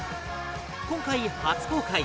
今回初公開